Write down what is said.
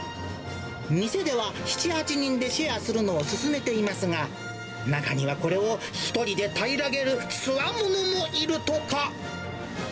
店では７、８人でシェアするのを勧めていますが、中にはこれを、１人で平らげるつわものもいるとか。